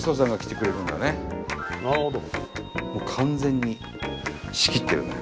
完全に仕切ってるね。